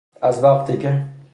از وقتی که